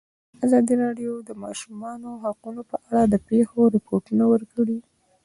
ازادي راډیو د د ماشومانو حقونه په اړه د پېښو رپوټونه ورکړي.